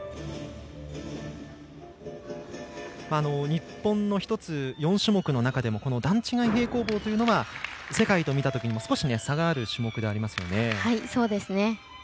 日本の１つ、４種目の中でも段違い平行棒というのは世界と見たときにも少し差がある種目でもありますよね。